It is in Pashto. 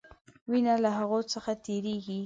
وینه له هغوي څخه تیریږي.